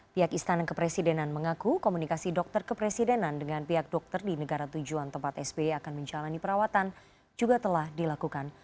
pihak istana kepresidenan mengaku komunikasi dokter kepresidenan dengan pihak dokter di negara tujuan tempat sby akan menjalani perawatan juga telah dilakukan